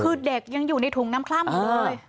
คือเด็กยังอยู่ในถุงน้ำคล่ำอยู่เลย